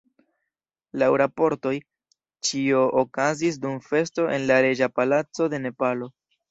Laŭ raportoj, ĉio okazis dum festo en la reĝa palaco de Nepalo.